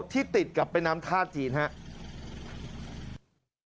ที่ติดกับแม่น้ำท่าจีนครับ